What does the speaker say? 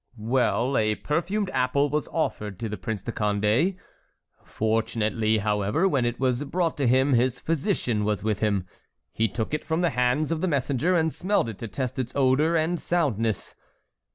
"Well, a perfumed apple was offered to the Prince of Condé. Fortunately, however, when it was brought to him his physician was with him. He took it from the hands of the messenger and smelled it to test its odor and soundness.